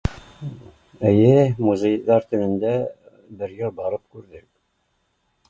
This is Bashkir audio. Эйе, музейҙар тигәндә бергә барып күрҙек